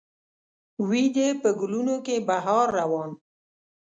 وي دې په ګلونو کې بهار روان